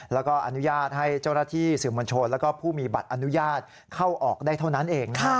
แล้วก็อนุญาตให้เจ้าหน้าที่สื่อมวลชนและผู้มีบัตรอนุญาตเข้าออกได้เท่านั้นเอง